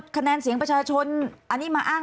คะแนนเสียงประชาชนอันนี้มาอ้าง